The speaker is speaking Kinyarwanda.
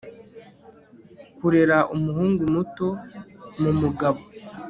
kurera umuhungu muto mumugabo